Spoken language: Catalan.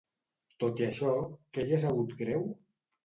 Tot i això, què li ha sabut greu?